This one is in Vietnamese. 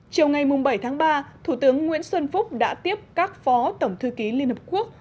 chiều ngày bảy tháng ba thủ tướng nguyễn xuân phúc đã tiếp các phó tổng thư ký liên hợp quốc